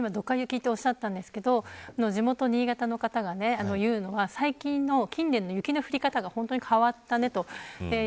今、どか雪とあったんですけど地元、新潟の方が言うのは近年の雪の降り方が本当に変わったねと。